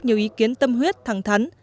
nhiều ý kiến tâm huyết thẳng thắn